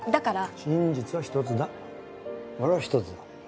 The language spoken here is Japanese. これは一つだ。